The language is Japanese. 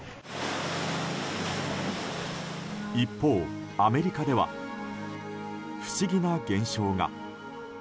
一方、アメリカでは不思議な現象が。